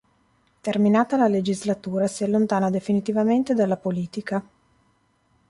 Terminata la legislatura si allontana definitivamente dalla politica